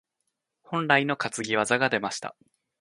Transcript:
本来の担ぎ技が出ました。